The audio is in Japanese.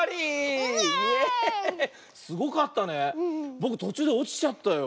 ぼくとちゅうでおちちゃったよ。